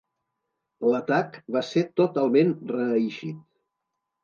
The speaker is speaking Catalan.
L'atac va ser totalment reeixit.